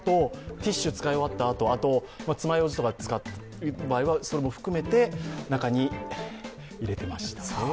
ティッシュ使い終わったあと爪ようじとか使う場合は、それも含めて中に入れていました。